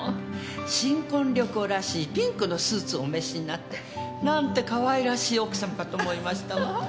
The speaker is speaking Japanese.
新婚旅行らしいピンクのスーツをお召しになってなんてかわいらしい奥様かと思いましたわ。